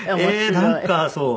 なんかそう。